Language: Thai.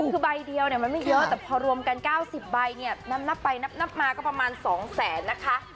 คือใบเดียวเนี้ยมันไม่เยอะแต่พอรวมกันเก้าสิบใบเนี้ยนับนับไปนับนับมาก็ประมาณสองแสนนะคะ